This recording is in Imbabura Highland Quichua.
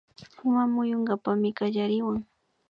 Uma muyunkapakmi kallariwan